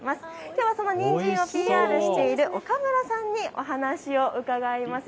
きょうはそのにんじんをＰＲしている岡村さんにお話を伺います。